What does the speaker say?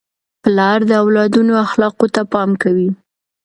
پلار د اولادونو اخلاقو ته پام کوي.